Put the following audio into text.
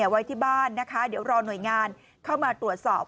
ไว้ที่บ้านนะคะเดี๋ยวรอหน่วยงานเข้ามาตรวจสอบ